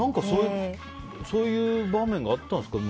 何かそういう場面があったんですかね